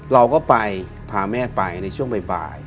เราก็ไปพาแม่ไปในช่วงบ่าย